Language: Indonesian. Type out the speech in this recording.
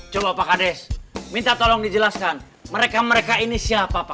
coba pak kades minta tolong dijelaskan mereka mereka ini siapa pak